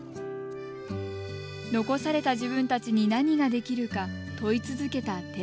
残された自分たちに何ができるか問い続けた寺崎さん。